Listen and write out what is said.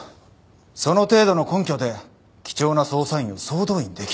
その程度の根拠で貴重な捜査員を総動員出来ない。